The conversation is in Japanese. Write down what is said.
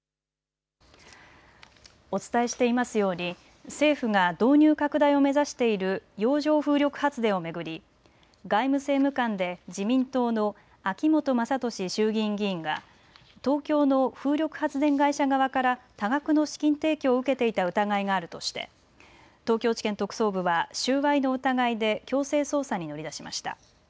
お伝えしていますように政府が導入拡大を目指している洋上風力発電を巡り外務政務官で自民党の秋本真利衆議院議員が東京の風力発電会社側から多額の資金提供を受けていた疑いがあるとして東京地検特捜部は収賄の疑いで強制捜査に乗り出しました。